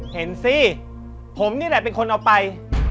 เห็นสิผมนี่แหละเป็นคนเอาไป